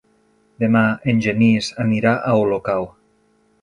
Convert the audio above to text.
Demà en Genís anirà a Olocau.